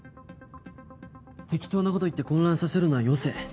適当な事言って混乱させるのはよせ。